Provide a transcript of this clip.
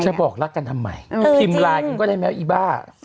บอกรักกันทำไมพิมพ์ไลน์กันก็ได้ไหมอีบ้า